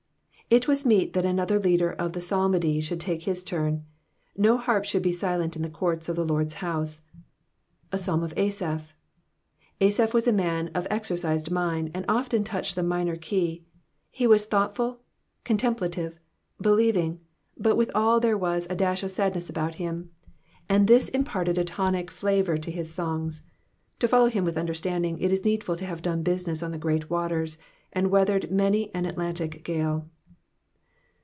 If voaa meet that another leader of the psalmody should take his turn. No harp should be silent in the courts of the Lords house, A Psalm of Asaph. Asaph loas a man of exercised mind, and often touched the minor key ; }\e toas thoughtful^ contemplative, believing, but withal there was a dash of sadness about him, and this imparted a tonic flavour to his songs. To follow him wWi understanding, it is needful to have done business on the great waters, and weathered many an Attantio gale.